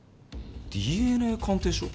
ＤＮＡ鑑定書？